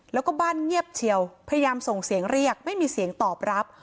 แล้วก็บ้านเงียบเชียวพยายามส่งเสียงเรียกไม่มีเสียงตอบรับ